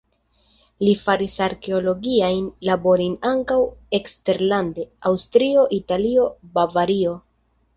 Li faris arkeologiajn laborojn ankaŭ eksterlande: Aŭstrio, Italio, Bavario.